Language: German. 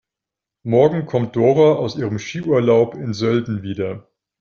Morgen kommt Dora aus ihrem Skiurlaub in Sölden wieder.